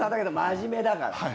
真面目だから。